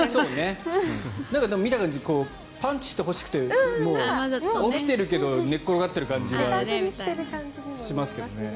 見た感じパンチしてほしくて起きてるけど寝転がってる感じはしますけどね。